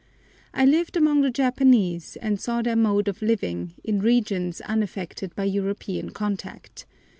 I lived among the Japanese, and saw their mode of living, in regions unaffected by European contact.